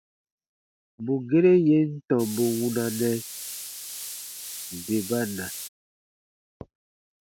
Bù gere yè n tɔmbu wunanɛ, bè ba na.